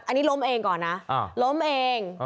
อันนี้ล้มเองก่อนนะล้มเอง